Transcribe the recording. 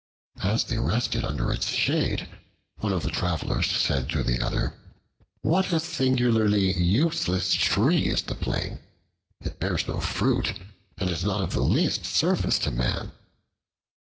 As they rested under its shade, one of the Travelers said to the other, "What a singularly useless tree is the Plane! It bears no fruit, and is not of the least service to man."